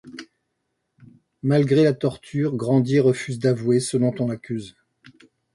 Malgré la torture, Grandier refuse d’avouer ce dont on l’accuse.